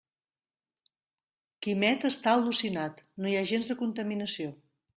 Quimet està al·lucinat: no hi ha gens de contaminació.